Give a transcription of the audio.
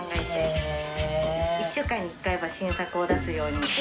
１週間に１回は新作を出すようにっていう。